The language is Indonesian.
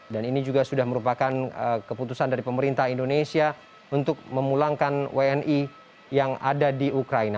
dan ini juga sudah merupakan keputusan dari pemerintah indonesia untuk memulangkan wni yang ada di ukraina